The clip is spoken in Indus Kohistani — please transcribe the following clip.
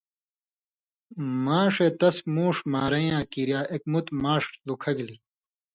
ماݜے تس مُوݜ مارَیں یاں کِریا اېک مُت ماش لُکھہ گِلیۡ ۔